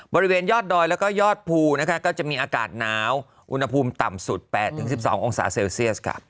บริเวณยอดดอยแล้วก็ยอดภูนะคะก็จะมีอากาศหนาวอุณหภูมิต่ำสุด๘๑๒องศาเซลเซียสค่ะ